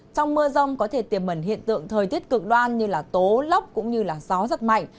trong mưa rông có thể tiềm mẩn hiện tượng thời tiết cực đoan như tố lốc cũng như gió rất mạnh